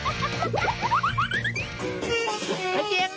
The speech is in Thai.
มีมีน้องเคยดูมีหรือเปล่า